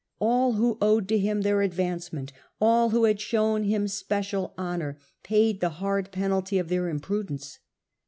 All who owed to him their advancement, all who had shown him special honour, paid the hard penalty of their imprudence.